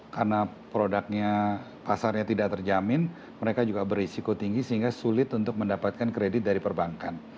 karena produknya pasarnya tidak terjamin mereka juga berisiko tinggi sehingga sulit untuk mendapatkan kredit dari perbankan